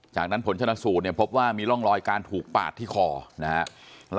จากนั้นผลชนะสูตรเนี่ยพบว่ามีร่องรอยการถูกปาดที่คอนะฮะ